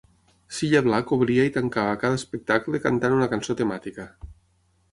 Cilla Black obria i tancava cada espectacle cantant una cançó temàtica.